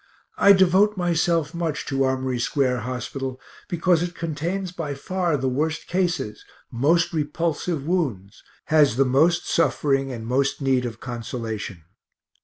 I devote myself much to Armory square hospital because it contains by far the worst cases, most repulsive wounds, has the most suffering and most need of consolation.